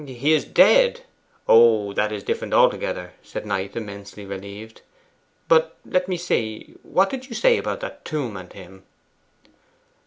'Is he dead? Oh, that's different altogether!' said Knight, immensely relieved. 'But, let me see what did you say about that tomb and him?